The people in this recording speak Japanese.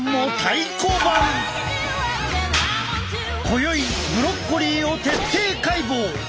今宵ブロッコリーを徹底解剖！